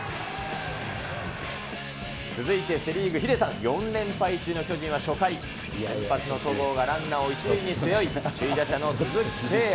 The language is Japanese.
続いてセ・リーグ、ヒデさん、４連敗中の巨人は初回、先発の戸郷がランナーを１塁に背負い、首位打者の鈴木誠也。